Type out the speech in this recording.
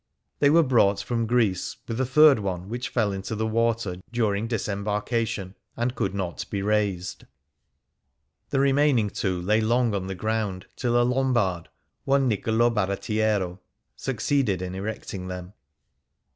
They were brought from Greece, with a third one, which fell into the water during disembarkation, and could not be raised. The remaining two lay long on the ground, till a Lombard, one Niccolo Barattiero, succeeded in erecting them.